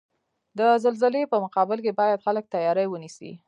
د زلزلزلې په مقابل کې باید خلک تیاری ونیسئ.